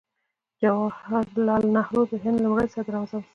جواهر لال نهرو د هند لومړی صدراعظم شو.